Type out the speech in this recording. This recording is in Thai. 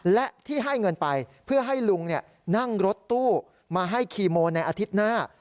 และที่ให้เงินไปเพื่อให้ลุงนั่งรถตู้มาให้คีโมในอาทิตย์หน้า